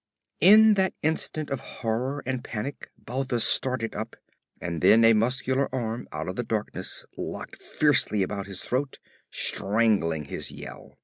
In that instant of horror and panic Balthus started up and then a muscular arm out of the darkness locked fiercely about his throat, strangling his yell.